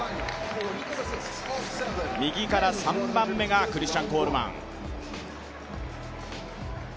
右から３番目がクリスチャン・コールマン。